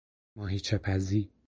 ماهیچهپزی